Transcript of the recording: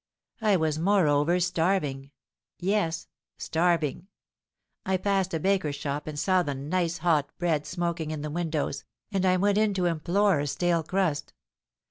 I was moreover starving—yes, starving! I passed a baker's shop and saw the nice hot bread smoking in the windows, and I went in to implore a stale crust.